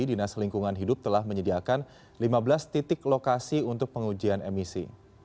dinas lingkungan hidup telah menyediakan lima belas titik lokasi untuk pengujian emisi